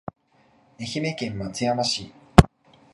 愛媛県松山市